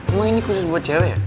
wah ini khusus buat cewek ya